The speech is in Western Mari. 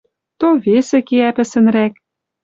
То весӹ кеӓ пӹсӹнрӓк.